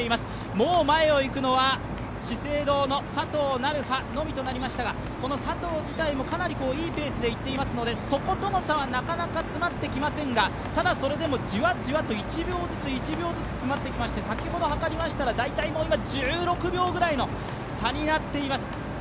もう、前を行くのは資生堂の佐藤成葉のみとなりましたが、この佐藤自体もかなりいいペースでいっていますので、そことの差はなかなか詰まってきませんが、ただそれでもじわじわと１秒ずつ詰まってきまして、先ほどはかりましたら１６秒くらいの差になっています。